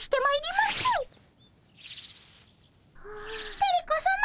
テレ子さま